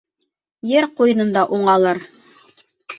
Ер ҡуйынында уңалыр.